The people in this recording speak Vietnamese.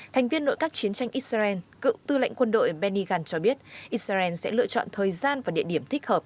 thành viên nội các chiến tranh israel cựu tư lệnh quân đội benny gant cho biết israel sẽ lựa chọn thời gian và địa điểm thích hợp